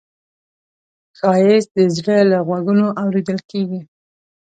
ښایست د زړه له غوږونو اورېدل کېږي